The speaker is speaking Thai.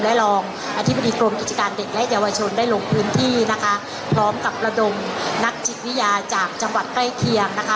และรองอธิบดีกรมกิจการเด็กและเยาวชนได้ลงพื้นที่นะคะพร้อมกับระดมนักจิตวิทยาจากจังหวัดใกล้เคียงนะคะ